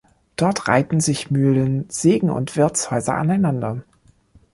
Dort reihten sich Mühlen, Sägen und Wirtshäuser aneinander.